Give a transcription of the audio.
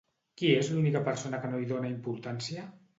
Qui és l'única persona que no hi dona importància?